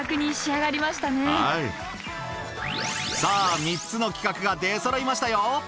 さあ３つの企画が出そろいましたよ。